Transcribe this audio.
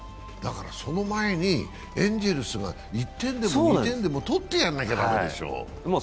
その前に、エンゼルスが１点でも２点でも取ってやらなきゃ駄目でしょう。